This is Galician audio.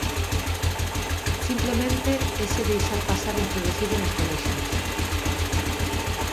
Simplemente ese deixar pasar introducido nos colexios.